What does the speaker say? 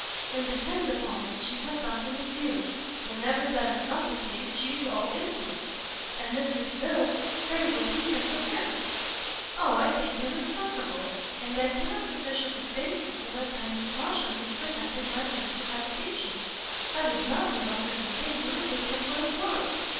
"Then depend upon it she has something in view: whenever that is not the case she is all insolence. And Mr Delvile, pray what do you think of him?" "O, I think him insufferable! and I cannot sufficiently thank you for that timely caution which prevented my change of habitation. I would not live under the same roof with him for the world!"